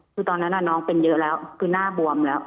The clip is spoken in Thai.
คือตอนนั้นน้องเป็นเยอะแล้วคือหน้าบวมแล้ว